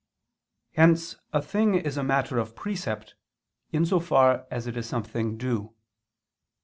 Hence a thing is a matter of precept, in so far as it is something due.